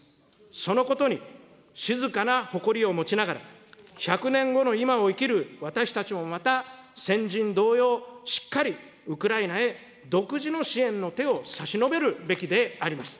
そのことに静かな誇りを持ちながら、１００年後の今を生きる私たちもまた、先人同様、しっかりウクライナへ、独自の支援の手を差し伸べるべきです。